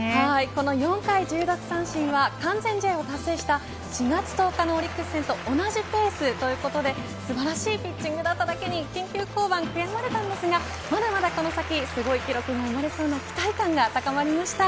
この４回１０奪三振は完全試合を達成した４月１０日のオリックス戦と同じペースということで素晴らしいピッチングだっただけに緊急登板悔やまれたんですがまだまだこの先すごい記録生まれそうな期待感が高まりました。